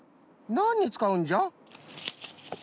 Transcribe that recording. なんにつかうんじゃ？